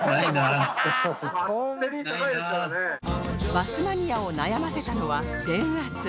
バスマニアを悩ませたのは電圧